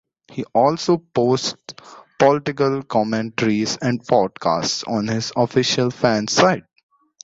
He also posts political commentaries and podcasts on his official fansite.